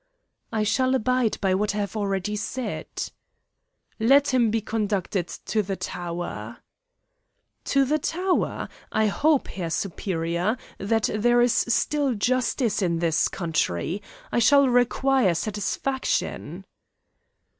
"I shall abide by what I have already said." "Let him be conducted to the tower." "To the tower? I hope, Herr Superior, that there is still justice in this country. I shall require satisfaction."